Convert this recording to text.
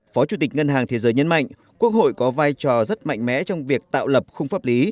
phó chủ tịch ngân hàng thế giới nhấn mạnh quốc hội có vai trò rất mạnh mẽ trong việc tạo lập khung pháp lý